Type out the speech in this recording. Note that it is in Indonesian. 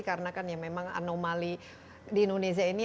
karena kan memang anomali di indonesia ini